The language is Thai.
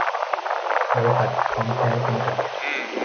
บริษัท ทองแท้ จำกัด